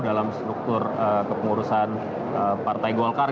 dalam struktur kepengurusan partai golkar